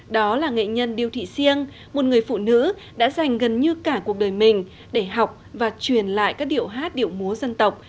đó là nghệ nhân điêu thị siêng một người phụ nữ đã dành gần như cả cuộc đời mình để học và truyền lại các điệu hát điệu múa dân tộc